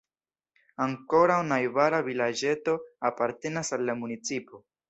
Ankoraŭ najbara vilaĝeto apartenas al la municipo.